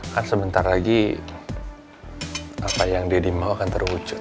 kan sebentar lagi apa yang dedi mau akan terwujud